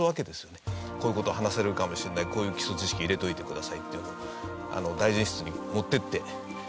こういう事を話せるかもしれないこういう基礎知識入れておいてくださいって大臣室に持っていって。